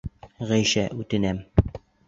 Ғәйшә, үтенәм!